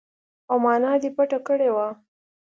او ما نه دې پټه کړې وه.